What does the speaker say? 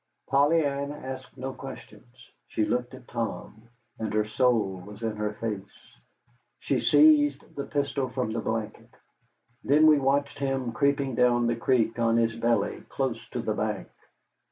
Polly Ann asked no questions. She looked at Tom, and her soul was in her face. She seized the pistol from the blanket. Then we watched him creeping down the creek on his belly, close to the bank.